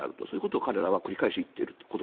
そういうことを彼らは繰り返し言っていると。